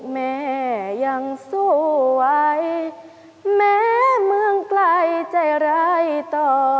แม่ยังสู้ไว้แม้เมืองไกลใจร้ายต่อ